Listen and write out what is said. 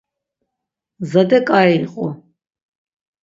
Zade ǩai iqu.